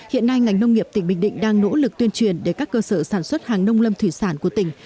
hiện nay ngành nông nghiệp tỉnh bình định đang nỗ lực tuyên truyền để các cơ sở sản xuất hàng nông lâm thủy sản của tỉnh